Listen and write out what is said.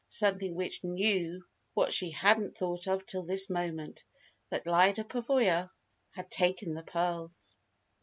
Something which knew what she hadn't thought of till this moment: that Lyda Pavoya had taken the pearls.